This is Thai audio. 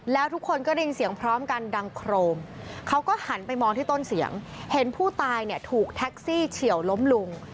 แล้วทุกคนก็ได้ยินเสียงพร้อมกันดังโครมเขาก็หันไปมองที่ต้นเสียงเห็นผู้ตายเนี่ยถูกแท็กซี่เฉียวล้มลุง